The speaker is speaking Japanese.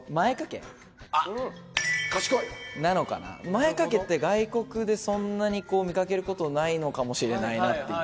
前掛けって外国でそんなに見かける事ないのかもしれないなっていう。